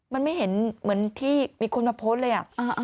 มันไม่เห็นเหมือนที่มีคนมาโพสต์เลย